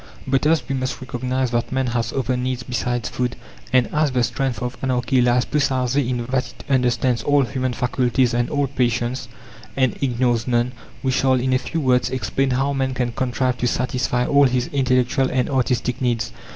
But as we must recognize that man has other needs besides food, and as the strength of Anarchy lies precisely in that that it understands all human faculties and all passions, and ignores none, we shall, in a few words, explain how man can contrive to satisfy all his intellectual and artistic needs.